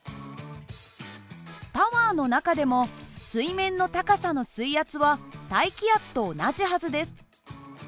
タワーの中でも水面の高さの水圧は大気圧と同じはずです。